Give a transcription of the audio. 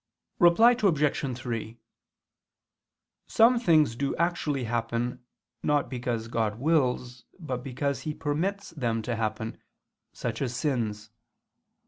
Reply Obj. 3: Some things do actually happen, not because God wills, but because He permits them to happen such as sins.